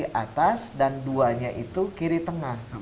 ki atas dan duanya itu kiri tengah